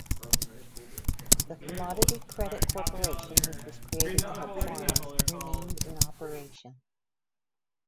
The Commodity Credit Corporation, which was created to help farmers, remained in operation.